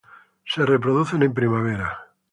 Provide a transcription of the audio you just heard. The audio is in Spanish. Se reproducen en primavera.